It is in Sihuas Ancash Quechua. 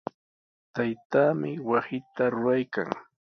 Taytaami wasita ruraykan.